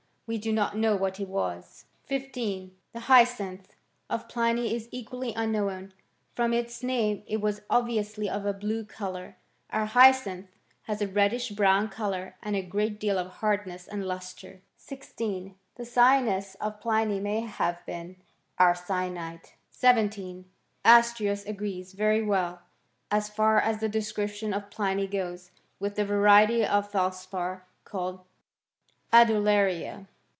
We do not know what it was. 15. The hyacinth of Pliny is equally unknowa* From its name it was obviously of a blue colour. Oar hvacinth has a reddish brown colour, and a great detl . o^ hardness and lustre. 16. The cyan us of Pliny may have been our eyamUe* 1 7 . Astrios agrees very well, as far as the description • of Pliny goes, with the variety of telspar called mith laria.